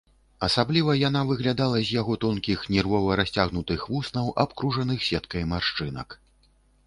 Асабліва яна выглядала з яго тонкіх, нервова расцягнутых вуснаў, абкружаных сеткай маршчынак.